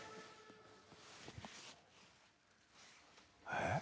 えっ？